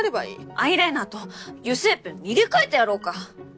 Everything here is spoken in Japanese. アイライナーと油性ペン入れ替えてやろうか？